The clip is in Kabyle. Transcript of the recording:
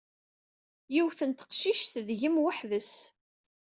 Yiwet n teqcict deg-m weḥd-s.